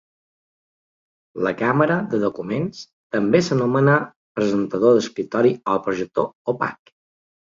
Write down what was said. La càmera de documents també s'anomena presentador d'escriptori o projector opac.